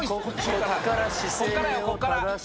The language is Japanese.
こっからよこっから。